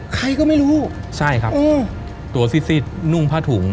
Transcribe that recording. ใครก็ไม่รู้ใช่ครับตัวซิดนุ่งผ้าถุง